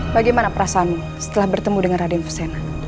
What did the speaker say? bagaimana perasaanmu setelah bertemu dengan raden persena